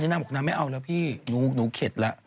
ชีวิตช่วยแล้วอบแอร์เมส